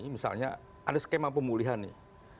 misalnya ada skema pemulihan nih